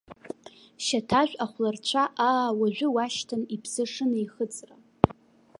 Шьаҭажә ахәларцәа, аа, уажәы-уашьҭан иԥсы шынеихыҵра.